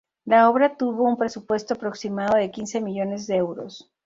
La obra tuvo un presupuesto aproximado de quince millones de euros.